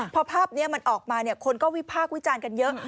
พอภาพนี้มันออกมาคนก็วิพากษ์วิจารณ์กันเยอะ